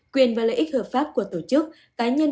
quyền và lợi ích hợp pháp của tổ chức cá nhân